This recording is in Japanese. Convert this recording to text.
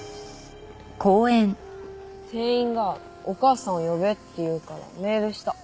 店員がお母さんを呼べって言うからメールした。